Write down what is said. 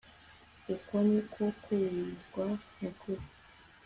Uko ni ko kwezwa nyakuri